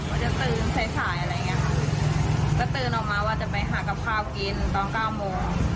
ว่าจะตื่นสายสายอะไรอย่างเงี้ยค่ะก็ตื่นออกมาว่าจะไปหากับข้าวกินตอนเก้าโมง